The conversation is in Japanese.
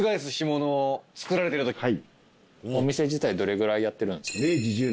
お店自体どれぐらいやってるんですか？